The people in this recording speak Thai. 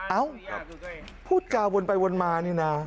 เอ้าพูดจาวนไปวนมานี่นะ